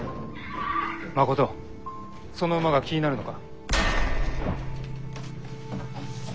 誠その馬が気になるのか？